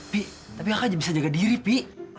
pi tapi kakak aja bisa jaga diri pi